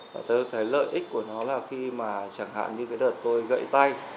và tôi thấy lợi ích của nó là khi mà chẳng hạn như cái đợt tôi gậy tay